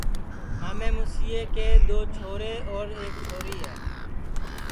مامے موسیے جے دو چھورے اور ایک چھوری ہے